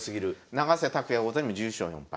永瀬拓矢王座にも１１勝４敗。